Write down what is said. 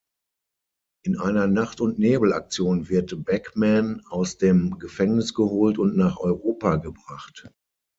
In einer Nacht-und-Nebel-Aktion wird Backman aus dem Gefängnis geholt und nach Europa gebracht.